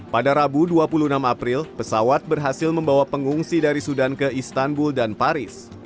pada rabu dua puluh enam april pesawat berhasil membawa pengungsi dari sudan ke istanbul dan paris